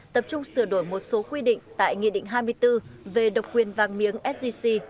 tập trung sửa đổi một số quy định tại nghị định hai mươi bốn về độc quyền vàng miếng sgc